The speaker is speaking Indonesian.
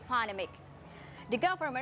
saya ingin mencabar beberapa hal